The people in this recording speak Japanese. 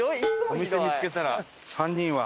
お店見つけたら３人は。